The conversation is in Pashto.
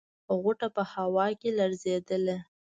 غوټه په هوا کې لړزېدله.